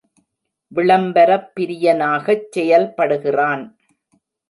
விளம்பரப் பிரியனாகச் செயல்படுகிறான்.